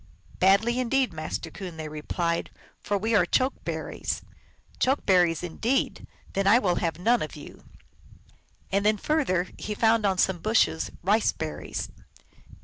"Badly indeed, Master Coon," they replied, " for we are Choke berries." " Choke berries, indeed ! Then I will have none of you." And then further he found on some bushes, Rice berries.